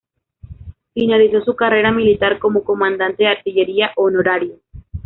Finalizó su carrera militar como comandante de artillería honorario.